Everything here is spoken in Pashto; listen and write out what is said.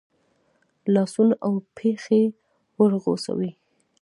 لاسونه او پښې ورغوڅوي.